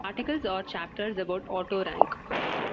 Articles or chapters about Otto Rank.